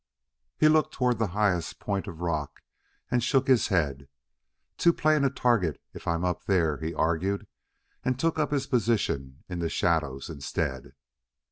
He looked toward the highest point of rock and shook his head. "Too plain a target if I'm up there," he argued, and took up his position in the shadows instead.